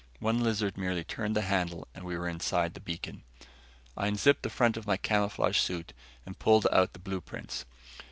One lizard merely turned the handle and we were inside the beacon. I unzipped the front of my camouflage suit and pulled out the blueprints.